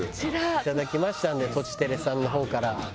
いただきましたんでとちテレさんの方から。